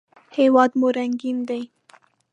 هېواد مو رنګین دی